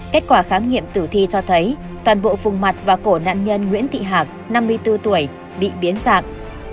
kết quả khám nghiệm tử thi cho thấy toàn bộ vùng mặt và cổ nạn nhân nguyễn thị hạc năm mươi bốn tuổi bị biến sạc